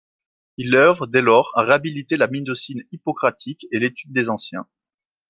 Il œuvre dès lors à réhabiliter la médecine hippocratique et l’étude des anciens.